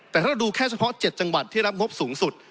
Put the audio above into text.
แต่ถ้าเราดูแค่เฉพาะ๗จังหวัดที่รับงบสูงสุด